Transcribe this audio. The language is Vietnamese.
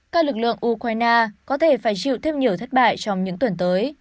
các lực lượng ukraine có thể phải chịu thêm nhiều thất bại trong những tuần tới